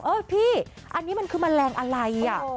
พี่อันนี้มันคือแมลงอะไรอ่ะ